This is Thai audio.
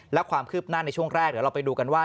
และความคืบหน้าในช่วงแรกเดี๋ยวเราไปดูกันว่า